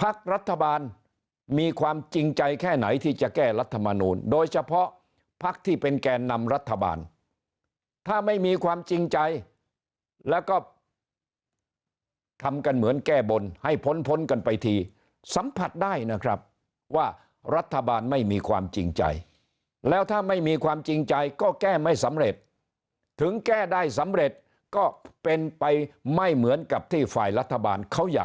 พักรัฐบาลมีความจริงใจแค่ไหนที่จะแก้รัฐมนูลโดยเฉพาะพักที่เป็นแกนนำรัฐบาลถ้าไม่มีความจริงใจแล้วก็ทำกันเหมือนแก้บนให้พ้นพ้นกันไปทีสัมผัสได้นะครับว่ารัฐบาลไม่มีความจริงใจแล้วถ้าไม่มีความจริงใจก็แก้ไม่สำเร็จถึงแก้ได้สำเร็จก็เป็นไปไม่เหมือนกับที่ฝ่ายรัฐบาลเขาอยาก